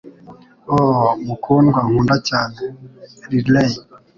Oh, mukundwa, nkunda cyane, Riley!